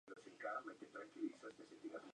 Además, es prima de la cantante y actriz Randy Graff.